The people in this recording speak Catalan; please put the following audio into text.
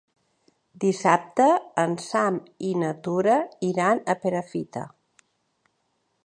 Dissabte en Sam i na Tura iran a Perafita.